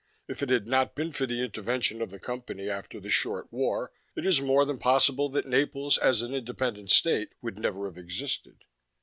If it had not been for the intervention of the Company, after the Short War, it is more than possible that Naples as an independent state would never have existed.